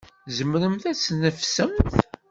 Tzemremt ad tneffsemt?